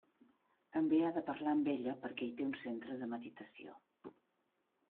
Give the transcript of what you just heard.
També ha de parlar amb ella perquè hi té un centre de meditació.